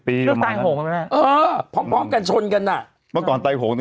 เอ้าหรอพร้อมพร้อมกันชนกันอ่ะ